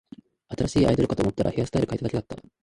新しいアイドルかと思ったら、ヘアスタイル変えただけだった